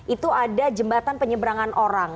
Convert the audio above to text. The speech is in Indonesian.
itu ada jembatan penyeberangan orang